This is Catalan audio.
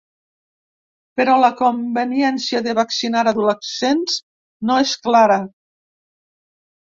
Però la conveniència de vaccinar adolescents no és clara.